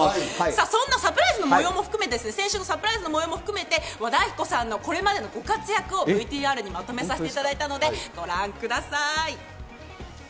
そんなサプライズの模様も含めて先週の模様も含めて、和田アキ子さんのこれまでのご活躍をＶＴＲにまとめさせていただいたのでご覧ください。